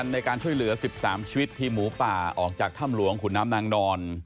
ในการช่วยเหลือ๑๓ชีวิตทีมหมูป่าออกจากถ้ำหลวงขุนน้ำนางนอน